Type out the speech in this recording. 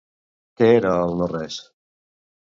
Què era el no-res?